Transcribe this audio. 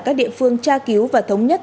các địa phương tra cứu và thống nhất